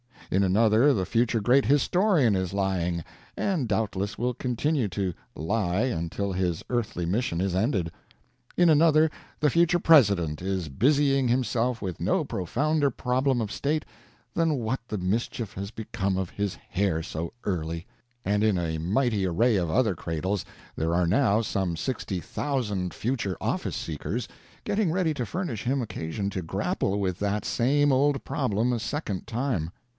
In another the future great historian is lying — and doubtless will continue to lie until his earthly mission is ended. In another the future President is busying himself with no profounder problem of state than what the mischief has become of his hair so early ; and in a mighty array of other cradles there are now some 60,000 future office seekers, getting ready to furnish him occa sion to grapple with that same old problem a second time.